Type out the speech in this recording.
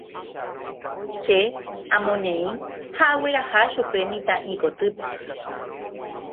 Che amoneĩ ha agueraha chupe mitã'i kotýpe.